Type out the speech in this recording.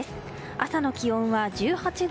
朝の気温は１８度。